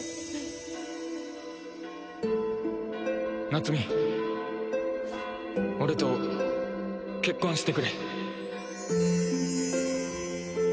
夏美俺と結婚してくれ。